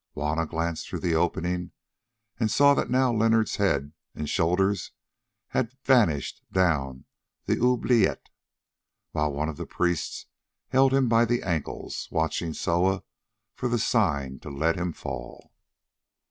Juanna glanced through the opening and saw that now Leonard's head and shoulders had vanished down the oubliette, while one of the priests held him by the ankles, watching Soa for the sign to let him fall.